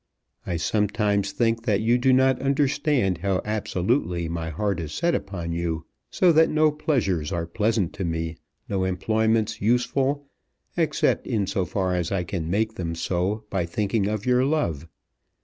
I sometimes think that you do not understand how absolutely my heart is set upon you, so that no pleasures are pleasant to me, no employments useful, except in so far as I can make them so by thinking of your love.